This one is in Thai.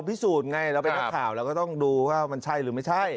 พิสูจน์ไงเราเป็นนักข่าวเราก็ต้องดูว่ามันใช่หรือไม่ใช่